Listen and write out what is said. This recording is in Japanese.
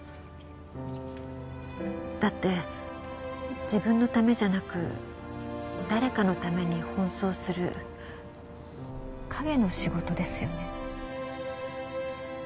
だって自分のためじゃなく誰かのために奔走する影の仕事ですよね？